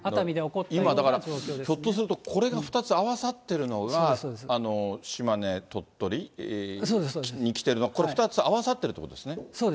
今、ひょっとすると、これが２つ合わさってるのが、島根、鳥取に来てるの、これ、２つ合わさってるということですね。